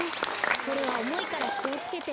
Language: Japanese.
これはおもいからきをつけて。